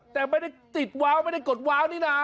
แต่ไม่ได้ติดว้าวไม่ได้กดว้าวนี่นะ